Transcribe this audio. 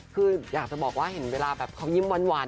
คืออยากจะบอกว่าเห็นเวลาแบบเขายิ้มหวาน